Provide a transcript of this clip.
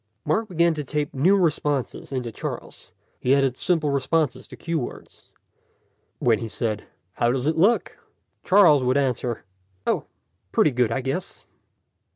Mark began to tape new responses into Charles. He added simple responses to cue words. When he said, "How does it look?" Charles would answer, "Oh, pretty good, I guess."